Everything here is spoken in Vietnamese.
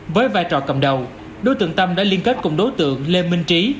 với vai trò cầm đầu đối tượng tâm đã liên kết cùng đối tượng lê minh trí